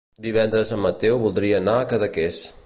Divendres en Mateu voldria anar a Cadaqués.